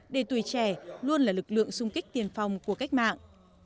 để tuổi trẻ luôn là lực lượng sung kích tiền phòng của cách mạng